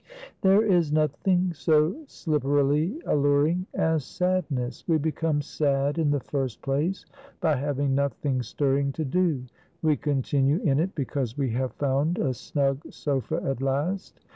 There is nothing so slipperily alluring as sadness; we become sad in the first place by having nothing stirring to do; we continue in it, because we have found a snug sofa at last.